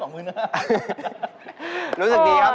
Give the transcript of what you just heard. รู้สึกดีครับสนุกดีครับ